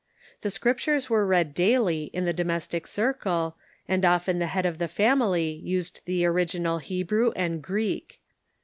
The Scriptures were read daily in the domestic circle, and often the head of the family used the original Hebrew and Greek.